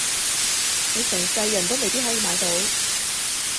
你成世人都未必可以買到